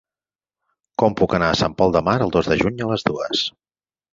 Com puc anar a Sant Pol de Mar el dos de juny a les dues?